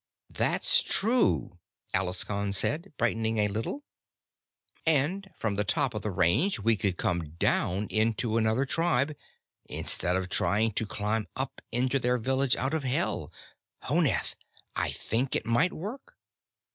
"That's true," Alaskon said, brightening a little. "And from the top of the Range, we could come down into another tribe instead of trying to climb up into their village out of Hell. Honath, I think it might work."